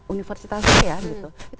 universitasnya ya gitu